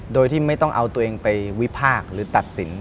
โดยที่ไม่ต้องเอาตัวเองไปวิพากษ์หรือตัดสิน